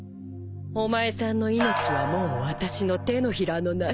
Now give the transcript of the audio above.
お前さんの命はもう私の手のひらの中。